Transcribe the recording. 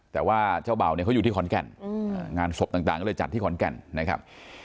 แต่ว่าเจ้าเบาเนี่ยเขาอยู่ที่ขอนแก่นงานศพต่างก็เลยจัดที่ขอนแก่นนะครับ